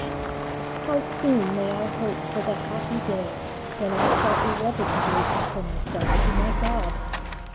How soon may I hope for the happy day when I shall irrevocably offer myself to my God?